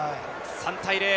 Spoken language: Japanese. ３対０。